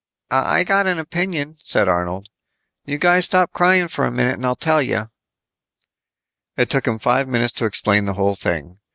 "I got an opinion," said Arnold. "You guys stop crying for a minute and I'll tell you." It took him five minutes to explain the whole thing.